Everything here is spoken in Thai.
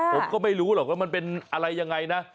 ผมก็ไม่รู้หรอกว่ามันเป็นอะไรยังไงนะ